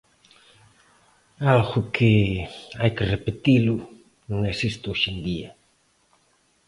Algo que, hai que repetilo, non existe hoxe en día.